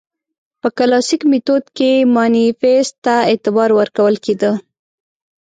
په کلاسیک میتود کې مانیفیست ته اعتبار ورکول کېده.